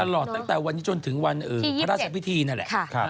ตลอดตั้งแต่วันนี้จนถึงวันพระราชพิธีนั่นแหละ